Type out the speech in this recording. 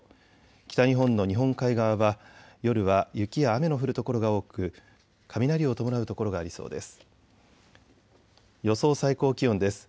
北日本の日本海側は夜は雪や雨の降る所が多く雷を伴う所がありそうです。